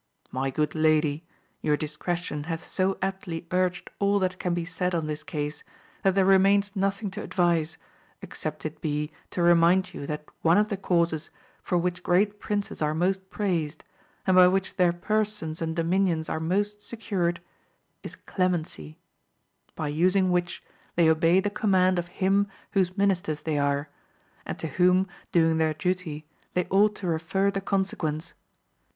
My good lady, your discretion hath so aptly urged all that can be said on this case, that there re mains nothing to advise, except it be to remind you that one of the causes for which great princes are most praised, and by which their persons and dominions are most secured, is clemency : by using which, they obey the command of him whose ministers they are, and to 154 AMADIS OF GAUL. whom, doing their duty, they ought to refer the con sequence.